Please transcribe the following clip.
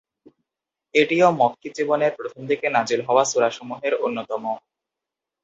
এটিও মক্কী জীবনের প্রথম দিকে নাযিল হওয়া সূরা সমূহের অন্যতম।